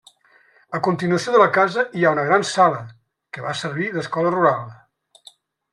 A continuació de la casa hi ha una gran sala, que va servir d'escola rural.